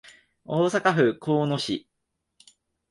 大阪府交野市